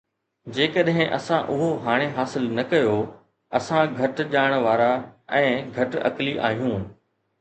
جيڪڏهن اسان اهو هاڻي حاصل نه ڪيو، اسان گهٽ ڄاڻ وارا ۽ گهٽ عقلي آهيون